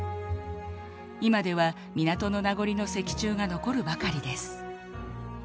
いまでは港の名残の石柱が残るばかりです。